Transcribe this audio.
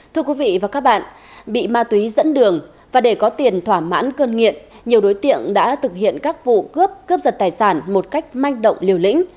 thưa quý vị và các bạn bị ma túy dẫn đường và để có tiền thỏa mãn cơn nghiện nhiều đối tượng đã thực hiện các vụ cướp cướp giật tài sản một cách manh động liều lĩnh